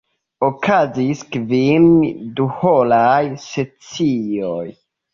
Okazis kvin duhoraj sesioj.